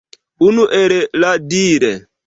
Unu el la dir.